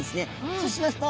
そうしますとおお！